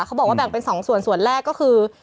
เขาบอกว่าแบ่งเป็น๒ส่วนส่วนแรกก็คือ